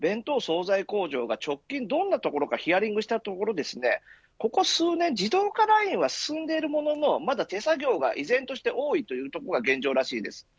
今回、弁当総菜工場が直近、どんな所かヒアリングしたところここ数年自動化ラインが進んでいるもののまだ手作業が依然として多いという部分が現状らしいです。